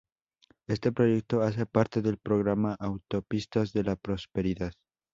Este proyecto hace parte del programa Autopistas de la Prosperidad.